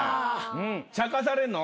ちゃかされんの？